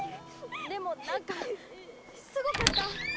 でもなんかすごかった。